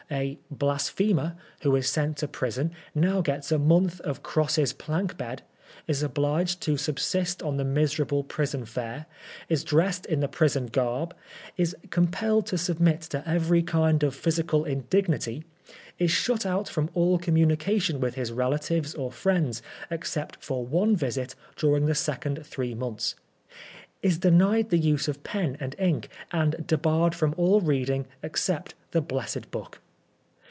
A * blasphemer' who is sent to prison now gets a month of Cross's plank bed, is obliged to subsist on the miserable prison fare, is dressed in the prison garb, is compelled to submit to every kind of physical indignity, is shut out from all com munication with his relatives or friends except for one visit, during the second three months, is denied the use of pen and ink, and debarred irom all reading except the blessed Book.